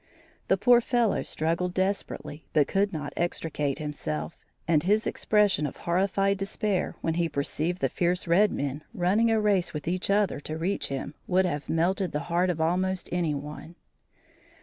The poor fellow struggled desperately, but could not extricate himself, and his expression of horrified despair when he perceived the fierce red men running a race with each other to reach him, would have melted the heart of almost any one.